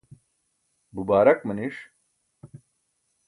bubaarak maniṣ